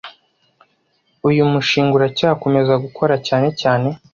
Uyu mushinga uracyakomeza gukora cyane cyane